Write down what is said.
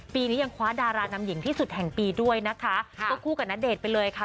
ปีนี้ยังคว้าดารานำหญิงที่สุดแห่งปีด้วยนะคะควบคู่กับณเดชน์ไปเลยค่ะ